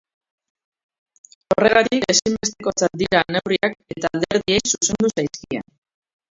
Horregatik ezinbestekotzat dira neurriak eta alderdiei zuzendu zaizkie.